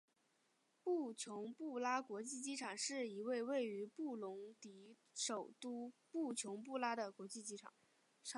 布琼布拉国际机场是一位位于布隆迪首都布琼布拉的国际机场。